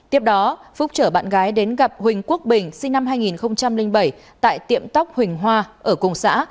tiếp đó phúc chở bạn gái đến gặp huỳnh quốc bình sinh năm hai nghìn bảy tại tiệm tóc huỳnh hoa ở cùng xã